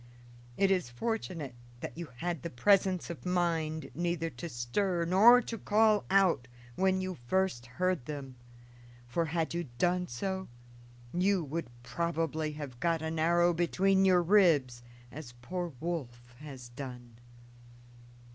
It is fortunate that you had the presence of mind neither to stir nor to call out when you first heard them; for, had you done so, you would probably have got an arrow between your ribs, as poor Wolf has done."